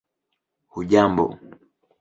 hujambo